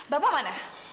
bapa di mana